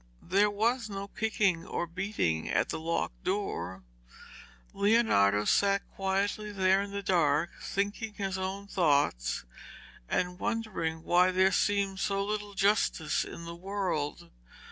There was no kicking or beating at the locked door. Leonardo sat quietly there in the dark, thinking his own thoughts, and wondering why there seemed so little justice in the world.